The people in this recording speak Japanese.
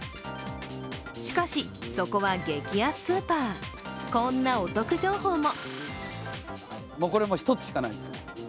しかし、そこは激安スーパー、こんなお得情報も。